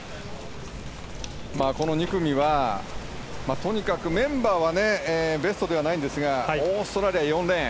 この２組はメンバーはベストではないんですがオーストラリア、４レーン。